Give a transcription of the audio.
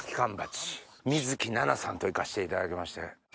水樹奈々さんと行かしていただきまして。